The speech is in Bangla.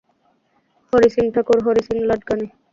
হরি সিং ঠাকুর হরি সিং লাডকানি।